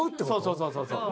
そうそうそうそう！